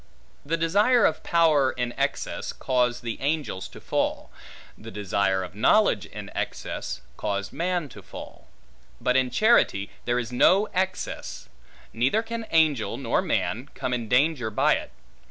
The desire of power in excess, caused the angels to fall; the desire of knowledge in excess, caused man to fall: but in charity there is no excess; neither can angel, nor man, come in danger by it.